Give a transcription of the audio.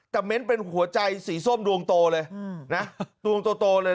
ก็เม้นเป็นหัวใจสีส้มดวงโตเลยตัวตัวเลย